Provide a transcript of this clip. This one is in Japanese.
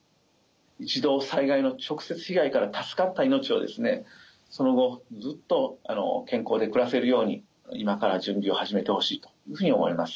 一度災害の直接被害から助かった命をですねその後ずっと健康で暮らせるように今から準備を始めてほしいというふうに思います。